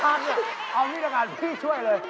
สวัสดีครับขอแล้วสวัสดีครับพี่ช่วยเลย